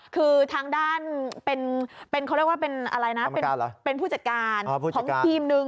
คือทางด้านเป็นผู้จัดการของทีมนึง